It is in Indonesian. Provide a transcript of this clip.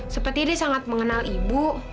seperti dia sangat mengenal ibu